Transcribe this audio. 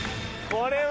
これは。